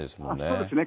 そうですね。